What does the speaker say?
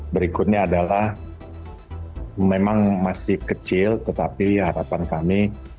berikutnya adalah memang masih kecil tetapi harapan kami